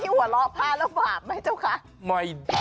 หลวง๊ะร้อพระเราบาปไหมเจ้าคะ